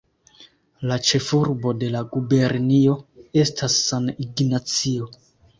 La ĉefurbo de la gubernio estas San Ignacio.